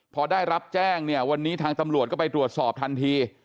พอได้รับแจ้งเนี่ยวันนี้ทางตำรวจก็ไปตรวจสอบทันที